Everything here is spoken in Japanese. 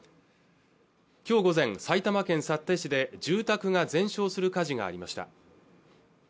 きょう午前埼玉県幸手市で住宅が全焼する火事がありました